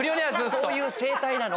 そういう生体なの。